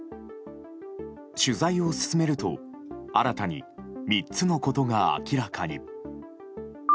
取材を進めると新たに３つのことが明らかに。